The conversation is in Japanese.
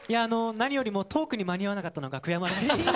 何よりもトークに間に合わなかったのが悔やまれます。